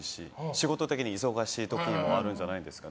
仕事的に忙しいところもあるじゃないですか。